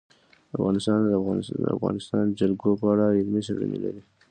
افغانستان د د افغانستان جلکو په اړه علمي څېړنې لري.